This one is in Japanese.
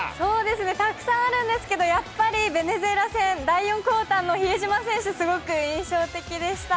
たくさんあるんですけれども、やっぱりベネズエラ戦、第４クオーターの比江島選手がすごく印象的でした。